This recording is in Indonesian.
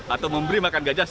atau memberi makan gajah